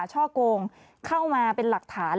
ช่อกงเข้ามาเป็นหลักฐาน